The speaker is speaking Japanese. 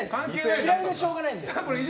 嫌いでしょうがないので。